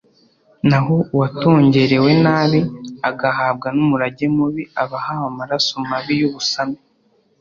na ho uwatongerewe nabi agahabwa n’umurage mubi aba ahawe amaraso mabi y’ubusame